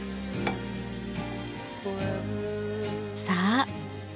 さあ！